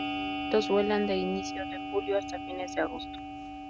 Los adultos vuelan desde inicios de julio hasta fines de agosto.